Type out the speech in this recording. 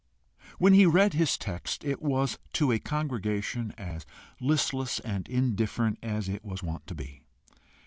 When he read his text, it was to a congregation as listless and indifferent as it was wont to be.